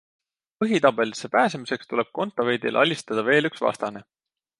Põhitabelisse pääsemiseks tuleb Kontaveidil alistada veel üks vastane.